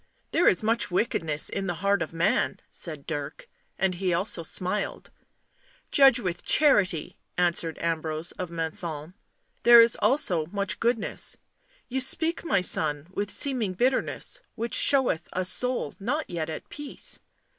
" There is much wickedness in the heart of man," said Dirk. And he also smiled. " Judge with charity," answered Ambrose of Men thon. " There is also much goodness. You speak, my son, with seeming bitterness which showeth a soul not yet at peace.